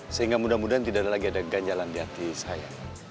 sehingga mudah mudahan tidak ada lagi ada ganjalan di hati saya